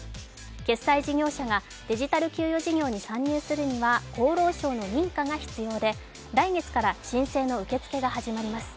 決済事業者がデジタル給与事業に参入するには厚労省の認可が必要で来月から申請の受け付けが始まります。